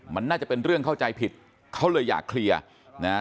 มันน่าจะเป็นเรื่องเข้าใจผิดเขาเลยอยากเคลียร์นะฮะ